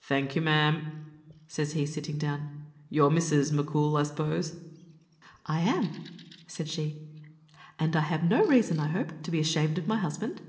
"Thank you, ma'am," says he, sitting down; "you're Mrs. M'Coul, I suppose?" "I am," said she; "and I have no reason, I hope, to be ashamed of my husband."